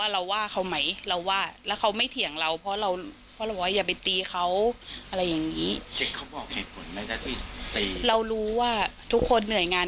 เราเข้าใจเขาอยู่แต่ว่า